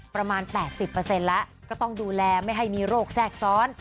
ประมาณ๘๐แล้วก็ต้องดูแลไม่ให้มีโรคแทรกซ้อน